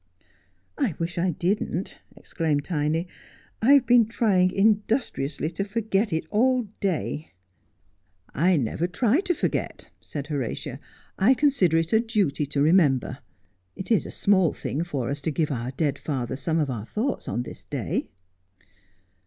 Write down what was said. ' I wish I didn't,' exclaimed Tiny ;' I have been trying indus triously to forget it all day.' Morton's Womankind. 41 ' I never try to forget,' said Horatia ;' I consider it a duty to remember. It is a small thing for us to give our dead father some of our thoughts on this day.'